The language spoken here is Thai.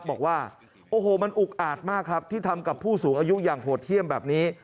บอกว่าโอ้โหมันอุกอาจมากครับที่ทำกับผู้สูงอายุอย่างโหดเยี่ยมแบบนี้